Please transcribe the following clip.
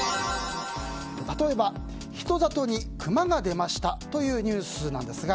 例えば人里にクマが出ましたというニュースなんですが